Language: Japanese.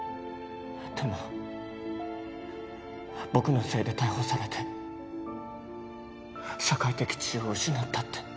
でも僕のせいで逮捕されて社会的地位を失ったって。